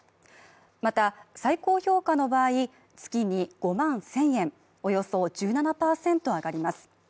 また、最高評価の場合、月に５万１０００円、およそ１７％上がります。